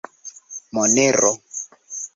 Monero.